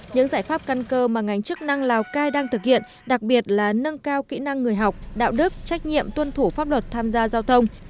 những giải pháp căn cơ mà ngành chức năng lào cai đang thực hiện đặc biệt là nâng cao kỹ năng người học đạo đức trách nhiệm tuân thủ pháp luật tham gia giao thông